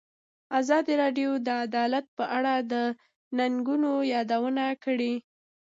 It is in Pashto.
ازادي راډیو د عدالت په اړه د ننګونو یادونه کړې.